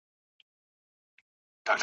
پاکي دي جزهٔ د ایمان ګڼلې